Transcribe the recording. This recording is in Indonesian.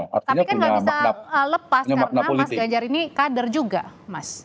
tapi kan nggak bisa lepas karena mas ganjar ini kader juga mas